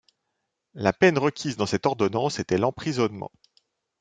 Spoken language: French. La peine requise dans cette ordonnance était l'emprisonnement.